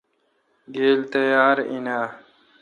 گیل تیاراین آ؟